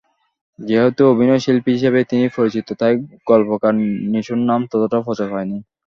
যেহেতু অভিনয়শিল্পী হিসেবেই তিনি পরিচিত, তাই গল্পকার নিশোর নাম ততটা প্রচার পায়নি।